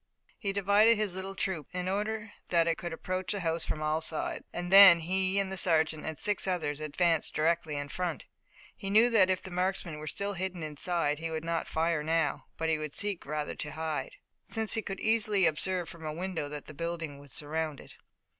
He divided his little troop, in order that it could approach the house from all sides, and then he and the sergeant and six others advanced directly in front. He knew that if the marksman were still hidden inside he would not fire now, but would seek rather to hide, since he could easily observe from a window that the building was surrounded.